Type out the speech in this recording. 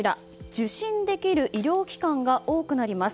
受診できる医療機関が多くなります。